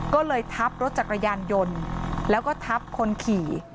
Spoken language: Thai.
ก็เลยทับรถจักรยานยนต์แล้วก็ทับคนขี่